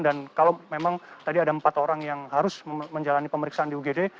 kalau memang tadi ada empat orang yang harus menjalani pemeriksaan di ugd